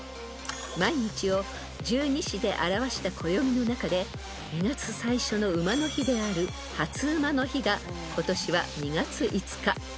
［毎日を十二支で表した暦の中で２月最初の午の日である初午の日が今年は２月５日］